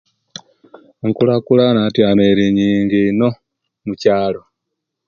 Enkulakulana atyano eri yingi ino mukyalo